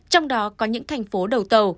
trong đó có những thành phố đầu tầu